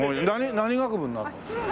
何学部になるの？